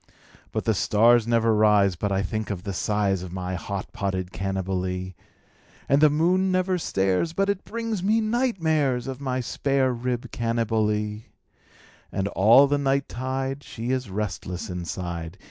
But the stars never rise but I think of the size Of my hot potted Cannibalee, And the moon never stares but it brings me night mares Of my spare rib Cannibalee; And all the night tide she is restless inside.